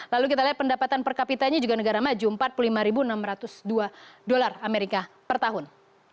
lalu kita lihat pendapatan per kapitanya juga negara maju empat puluh lima enam ratus dua dolar amerika per tahun